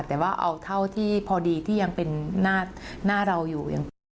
แต่ว่าเอาเท่าที่พอดีที่ยังเป็นหน้าเราอยู่ยังพอ